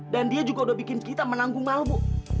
dan dia juga sudah bikin kita menanggung malu bu